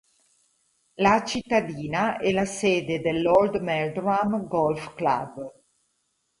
La cittadina è la sede dell"'Oldmeldrum Golf Club".